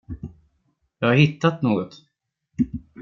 Jag har hittat något.